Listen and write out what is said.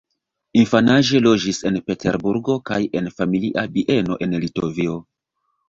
Infanaĝe loĝis en Peterburgo kaj en familia bieno en Litovio.